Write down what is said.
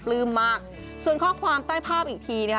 ลื้มมากส่วนข้อความใต้ภาพอีกทีนะคะ